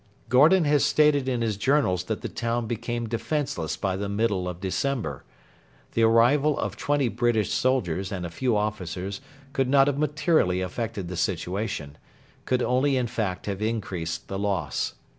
Gordon has stated in his Journals that the town became defenceless by the middle of December. The arrival of twenty British soldiers and a few officers could not have materially affected the situation could only, in fact, have increased the loss.